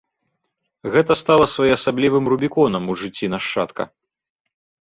Гэта стала своеасаблівым рубіконам у жыцці нашчадка.